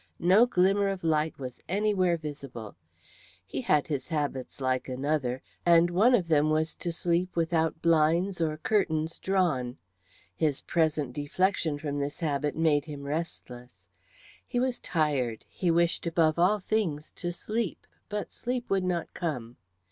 No glimmer of light was anywhere visible. He had his habits like another, and one of them was to sleep without blinds or curtains drawn. His present deflection from this habit made him restless; he was tired, he wished above all things to sleep, but sleep would not come.